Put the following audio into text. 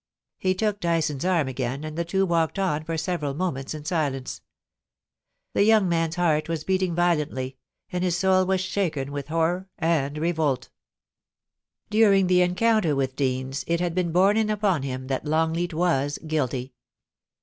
He took Dyson's arm £^ain, and the two walked on for several moments in silence The young man's heart was beating violently, and his soul was shaken with horror and revolt During the encounter with Deans, it had been borne in upon him that Ix>ngleat was guilty.